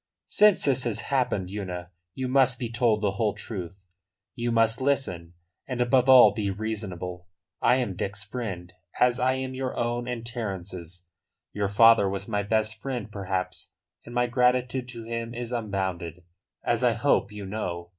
"Since this has happened, Una, you must be told the whole truth; you must listen, and, above all, be reasonable. I am Dick's friend, as I am your own and Terence's. Your father was my best friend, perhaps, and my gratitude to him is unbounded, as I hope you know.